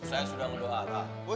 saya sudah mendoa allah